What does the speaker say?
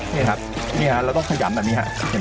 นี่ครับนี่ฮะเราต้องพยายามแบบนี้ฮะเห็นไหม